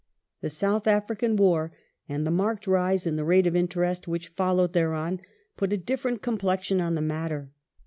The South African War and the marked rise in the rate of interest which followed thereon put a diff'erent complexion on the matter.